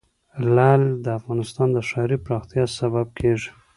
لعل د افغانستان د ښاري پراختیا سبب کېږي.